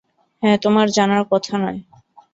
হ্যাঁ তোমার জানার কথা নয়।